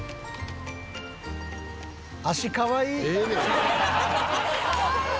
「足かわいい」